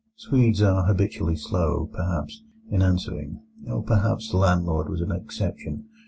Swedes are habitually slow, perhaps, in answering, or perhaps the landlord was an exception.